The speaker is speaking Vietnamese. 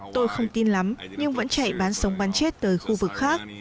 tôi không tin lắm nhưng vẫn chạy bán sống bán chết tới khu vực khác